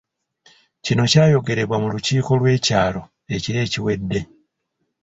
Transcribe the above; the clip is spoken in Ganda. Kino kyayogerebwa mu lukiiko lw'ekyalo ekiro ekiwedde.